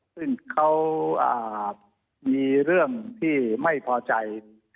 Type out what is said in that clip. ซึ่งเขามีเรื่องที่ไม่พอใจ